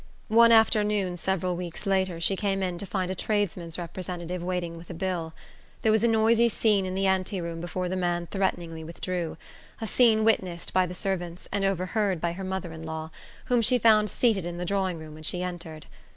One afternoon, several weeks later, she came in to find a tradesman's representative waiting with a bill. There was a noisy scene in the anteroom before the man threateningly withdrew a scene witnessed by the servants, and overheard by her mother in law, whom she found seated in the drawing room when she entered.